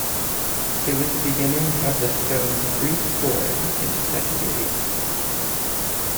It was the beginning of the Stones' brief foray into psychedelia.